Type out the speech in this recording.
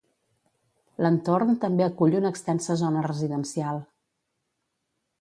L'entorn també acull una extensa zona residencial.